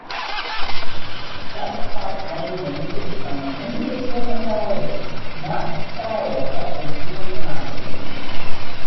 That's why I invented the term, 'individual mythologies'-not a style, but a human right.